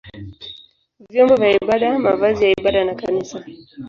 vyombo vya ibada, mavazi ya ibada na kanisa.